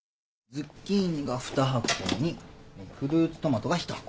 ズッキーニが２箱にフルーツトマトが１箱。